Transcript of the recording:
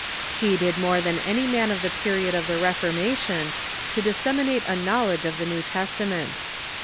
He did more than any man of the period of the Reformation to disseminate a knowledge of the New Testament.